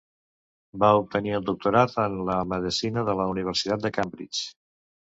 Va obtenir el doctorat en la medicina de la Universitat de Cambridge.